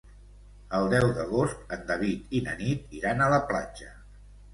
El deu d'agost en David i na Nit iran a la platja.